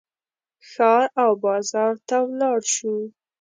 ښار او بازار ته ولاړ شو.